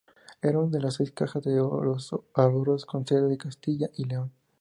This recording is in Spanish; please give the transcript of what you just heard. Era una de las seis cajas de ahorros con sede en Castilla y León.